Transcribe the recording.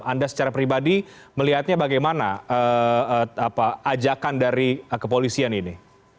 anda secara pribadi melihatnya bagaimana ajakan dari kepolisian ini